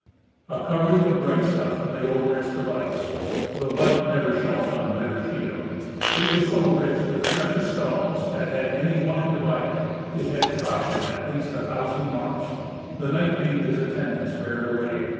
A covering of bright stuff lay over its device. The light never shone on better shield. It was so rich with precious stones, that had any wanted to buy it, it had cost him at the least a thousand marks. The knight bade his attendants bear it away.